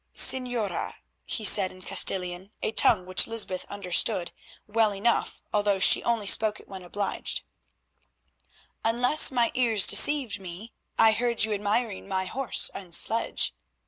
"Señora," he said in Castilian, a tongue which Lysbeth understood well enough, although she only spoke it when obliged, "unless my ears deceived me, I heard you admiring my horse and sledge.